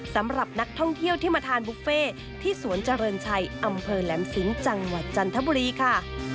สำหรับนักท่องเที่ยวที่มาทานบุฟเฟ่ที่สวนเจริญชัยอำเภอแหลมสิงห์จังหวัดจันทบุรีค่ะ